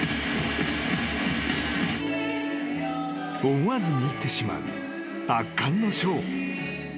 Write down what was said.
［思わず見入ってしまう圧巻のショー］